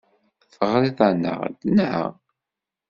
Teɣriḍ-aneɣ-d, naɣ?